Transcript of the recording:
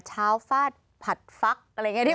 เช้าฟาดผัดฟักอะไรอย่างนี้